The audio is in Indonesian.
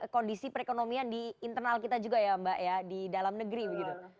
kondisi perekonomian di internal kita juga ya mbak ya di dalam negeri begitu